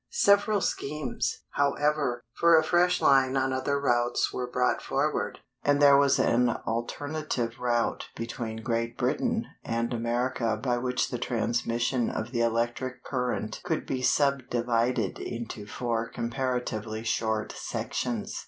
Several schemes, however, for a fresh line on other routes were brought forward; and there was an alternative route between Great Britain and America by which the transmission of the electric current could be subdivided into four comparatively short sections.